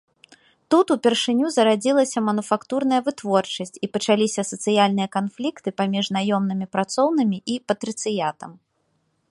Тут упершыню зарадзілася мануфактурная вытворчасць і пачаліся сацыяльныя канфлікты паміж наёмнымі працоўнымі і патрыцыятам.